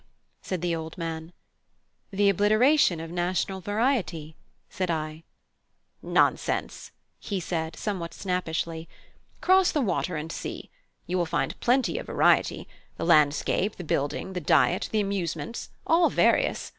said the old man. "The obliteration of national variety," said I. "Nonsense," he said, somewhat snappishly. "Cross the water and see. You will find plenty of variety: the landscape, the building, the diet, the amusements, all various.